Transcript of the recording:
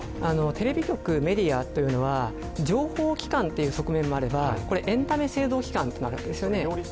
テレビ局、メディアというのは情報機関という側面もあればエンタメ制度機関の側面もある。